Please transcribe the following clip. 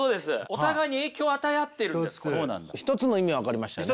お互いに影響を与え合っているんです。